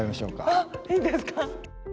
あっいいんですか？